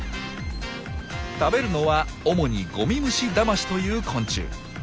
食べるのは主にゴミムシダマシという昆虫。